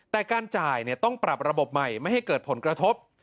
แต่การจ่ายต้องปรับระบบใหม่ไม่ให้เกิดผลกระทบ